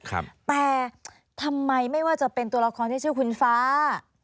แต่ทำไมไม่ว่าจะเป็นตัวละครที่ชื่อคุณฟ้า